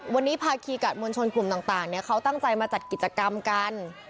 วันนี้ภาคีกัดมวลชนกลุ่มต่างเขาตั้งใจมาจัดกิจกรรมกัน